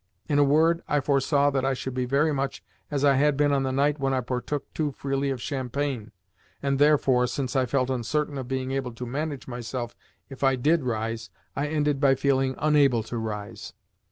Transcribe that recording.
In a word, I foresaw that I should be very much as I had been on the night when I partook too freely of champagne, and therefore, since I felt uncertain of being able to manage myself if I DID rise, I ended by feeling UNABLE to rise.